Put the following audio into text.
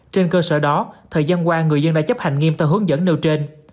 trên cơ sở đó thời gian qua người dân đã chấp hành nghiêm theo hướng dẫn nêu trên